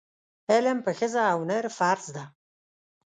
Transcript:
علم په ښځه او نر فرض ده.